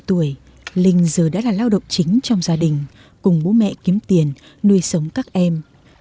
ba mươi tuổi linh giờ đã là lao động chính trong gia đình cùng bố mẹ kiếm tiền nuôi sống các em